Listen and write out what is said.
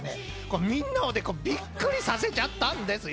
みんなをびっくりさせちゃったんですよ！